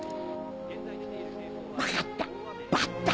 分かった！